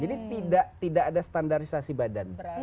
jadi tidak ada standarisasi badan